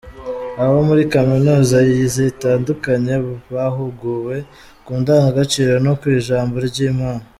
Abo muri Kaminuza zitandukanye bahuguwe ku ndangagaciro no ku ijambo ry’Imana